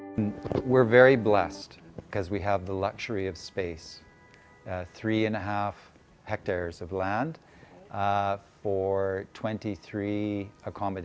pembangunan ini sangat memuaskan karena kami memiliki kekuatan ruang tiga lima hektare tanah untuk dua puluh tiga tent dan pembukaan